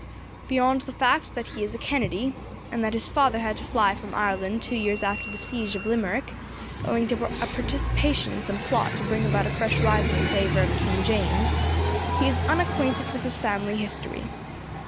"Beyond the fact that he is a Kennedy, and that his father had to fly from Ireland, two years after the siege of Limerick, owing to a participation in some plot to bring about a fresh rising in favour of King James, he is unacquainted with his family history.